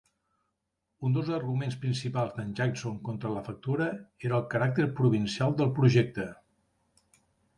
Un dels arguments principals d'en Jackson contra la factura era el caràcter provincial del projecte.